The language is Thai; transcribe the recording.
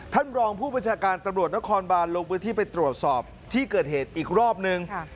ท่านรองผู้บัญชาการตำรวจนครบานลงพื้นที่ไปตรวจสอบที่เกิดเหตุอีกรอบนึง